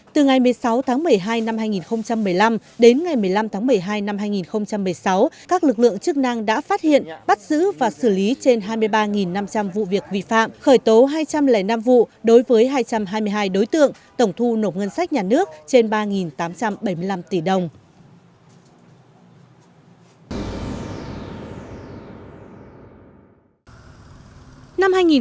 từ ngày một mươi sáu tháng một mươi hai năm hai nghìn một mươi năm đến ngày một mươi năm tháng một mươi hai năm hai nghìn một mươi sáu các lực lượng chức năng đã phát hiện bắt giữ và xử lý trên hai mươi ba năm trăm linh vụ việc vi phạm khởi tố hai trăm linh năm vụ đối với hai trăm hai mươi hai đối tượng tổng thu nộp ngân sách nhà nước trên ba tám trăm bảy mươi năm tỷ đồng